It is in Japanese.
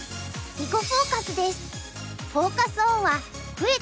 「囲碁フォーカス」です。